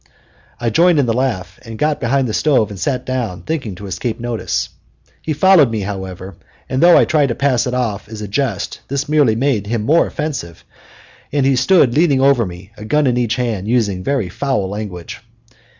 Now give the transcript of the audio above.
I joined in the laugh and got behind the stove and sat down, thinking to escape notice. He followed me, however, and though I tried to pass it off as a jest this merely made him more offensive, and he stood leaning over me, a gun in each hand, using very foul language.